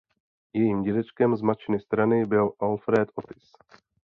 Jejím dědečkem z matčiny strany byl Alfred Otis.